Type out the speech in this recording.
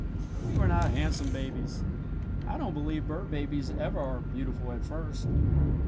"We were not handsome babies. I don't believe bird babies ever are beautiful at first.